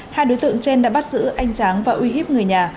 hai đối tượng trên đã bắt giữ anh tráng và uy hiếp người nhà